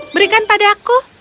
berikan pada aku